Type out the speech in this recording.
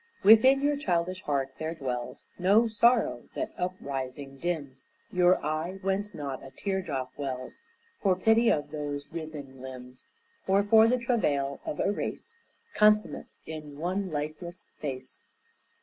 Within your childish heart there dwells No sorrow that uprising dims Your eye, whence not a teardrop wells For pity of those writhen limbs, Or for the travail of a race Consummate in one lifeless face.